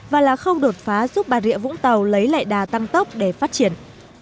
và là khâu đột phá giúp bà rịa vũng tàu lấy lại đà tăng tốc để phát triển